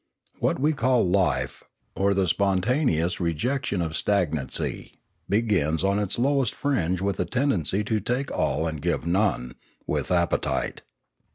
What we call life, or the spon taneous rejection of stagnancy, begins on its lowest fringe with a tendency to take all and give none, with appetite.